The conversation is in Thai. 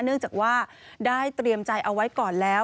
เนื่องจากว่าได้เตรียมใจเอาไว้ก่อนแล้ว